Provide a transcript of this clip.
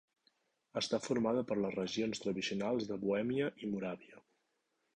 Està formada per les regions tradicionals de Bohèmia i Moràvia.